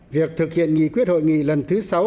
việc thực hiện nghị quyết hội nghị lần thứ sáu